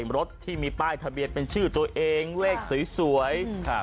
รถที่มีป้ายทะเบียนเป็นชื่อตัวเองเลขสวยสวย